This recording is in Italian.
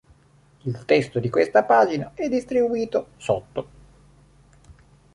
Il testo di questa pagina è distribuito sotto